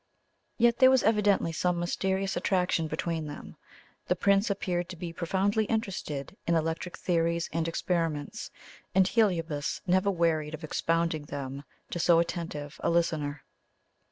Yet there was evidently some mysterious attraction between them the Prince appeared to be profoundly interested in electric theories and experiments, and Heliobas never wearied of expounding them to so attentive a listener.